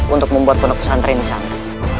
untuk membuat pondok pesantren di sana